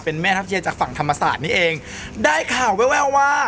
เป็นแม่ทัพเชียร์จากฝั่งธรรมศาสตร์นี่เองได้ข่าวแววแววว่า